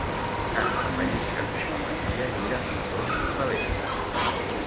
Tant la pallissa com la masia giren entorn de l'era.